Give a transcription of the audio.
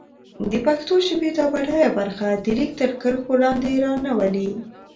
د پښتو ژبې دا بډايه برخه د ليک تر کرښو لاندې را نه ولي.